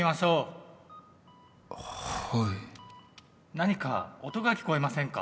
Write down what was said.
何か音が聞こえませんか？